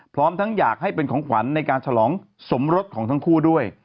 พร้อมทั้งอยากให้เป็นของขวัญในการฉลองสมรสของทั้งคู่ด้วย